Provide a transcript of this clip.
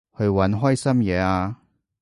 去搵開心嘢吖